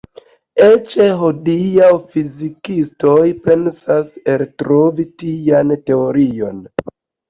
Eĉ hodiaŭ fizikistoj penas eltrovi tian teorion.